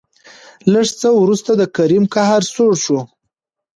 لېږ څه ورورسته د کريم قهر سوړ شو.